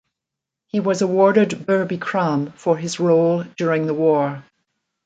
He was awarded Bir Bikram for his role during the war.